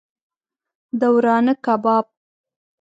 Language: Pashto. د ورانه کباب